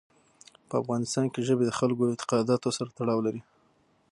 په افغانستان کې ژبې د خلکو اعتقاداتو سره تړاو لري.